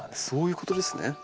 そういうことですね。